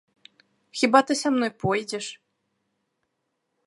Хіба ты са мной пойдзеш?!